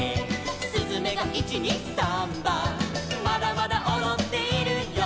「すずめが１・２・サンバ」「まだまだおどっているよ」